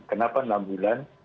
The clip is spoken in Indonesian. kenapa enam bulan